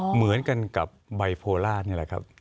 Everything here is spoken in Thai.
เหมือนกับบั๊ยโพลาร์นี่แหละครับ